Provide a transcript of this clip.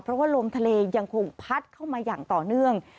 เพราะว่าลมทะเลยังคงพัดเข้ามาอย่างต่อเนื่อง